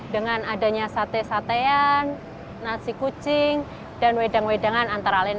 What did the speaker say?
dengan adanya sate satean nasi kucing dan wedang wedangan antara lain